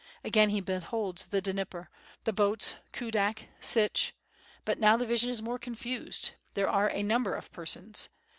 Again he beholds the Dnieper, the boats, Kudak, Sich — but now the vision is more confused, there are a number of per ns.